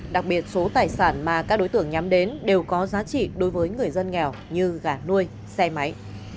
đặc biệt số tài sản mà các đối tượng nhắm đến đều có giá trị đối với người dân nghèo như gà nuôi xe máy